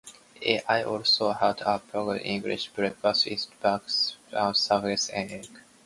I also had a traditional English breakfast with baked beans, sausages, and eggs.